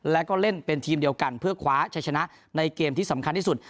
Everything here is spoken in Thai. แล้วก็เล่นเป็นทีมเดียวกันเพื่อคว้าชัยชนะในเกมที่สำคัญที่สุด